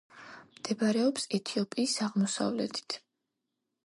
მდებარეობს ეთიოპიის აღმოსავლეთით.